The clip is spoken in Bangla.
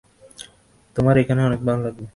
তোমার এখানে অনেক ভালো লাগবে।